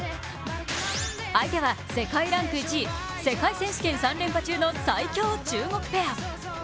相手は世界ランキング１位、世界選手権３連覇中の最強中国ペア。